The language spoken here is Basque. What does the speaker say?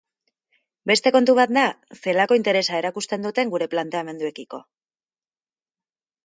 Beste kontu bat da zelako interesa erakusten duten gure planteamenduekiko.